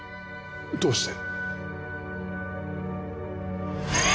どうして？